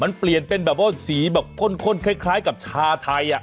มันเปลี่ยนเป็นสีค่อนคล้ายกับชาไทย